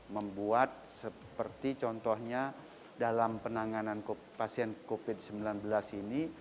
membuat seperti contohnya dalam penanganan pasien covid sembilan belas ini